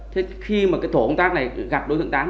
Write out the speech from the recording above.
khi tổ công tác này gặp đối tượng tám